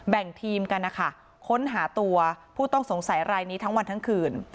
แบ่งทีมกันนะคะค้นหาตัวผู้ต้องสงสัยรายนี้ทั้งวันทั้งคืน